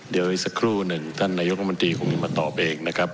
เดี๋ยวอีกสักครู่หนึ่งท่านนายกรมนตรีคงจะมาตอบเองนะครับ